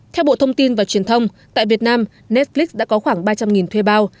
theo bộ thông tin và truyền thông tại việt nam netflix đã có khoảng ba trăm linh thuê bao